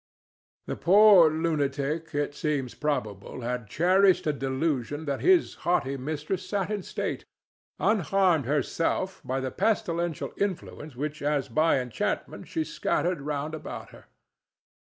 The poor lunatic, it seems probable, had cherished a delusion that his haughty mistress sat in state, unharmed herself by the pestilential influence which as by enchantment she scattered round about her.